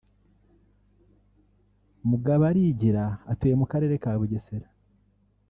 Mugabarigira atuye mu karere ka Bugesera